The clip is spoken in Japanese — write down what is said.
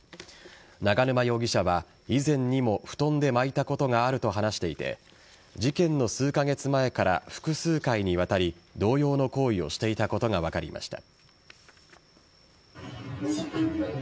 永沼容疑者は、以前にも布団で巻いたことがあると話していて事件の数カ月前から複数回にわたり同様の行為をしていたことが分かりました。